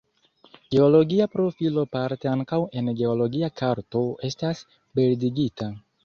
Geologia profilo parte ankaŭ en geologia karto estas bildigita.